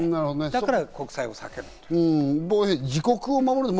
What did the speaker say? だから国債を避ける。